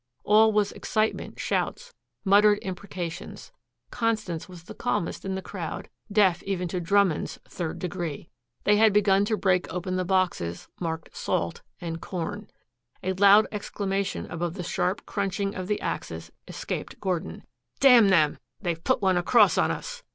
All was excitement, shouts, muttered imprecations. Constance was the calmest in the crowd deaf to even Drummond's "third degree." They had begun to break open the boxes marked "salt" and "corn." A loud exclamation above the sharp crunching of the axes escaped Gordon. "Damn them! They've put one across on us!"